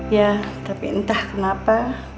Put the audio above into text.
ya tapi entah kenapa